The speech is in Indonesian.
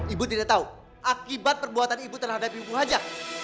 ibu tidak tahu akibat perbuatan ibu terhadap ibu haja